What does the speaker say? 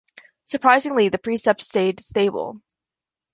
Surprisingly the percept stayed stable.